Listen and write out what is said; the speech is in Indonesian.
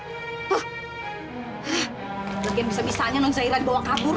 hah lagian bisa bisanya non zairah dibawa kabur